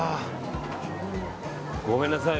ごめんなさい